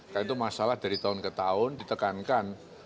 karena itu masalah dari tahun ke tahun ditekankan